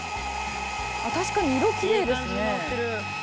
「あっ確かに色きれいですね」